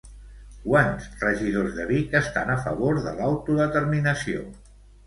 Quants regidors de Vic estan a favor de l'autodeterminació?